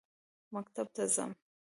مکتب ته ځم.